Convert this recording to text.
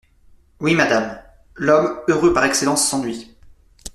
Oui, madame, l'homme heureux par excellence s'ennuie.